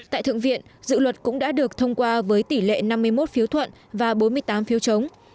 tại thượng viện dự luật cũng đã được thông qua với tỷ lệ năm mươi một phiếu thuận và bốn mươi tám phiếu chống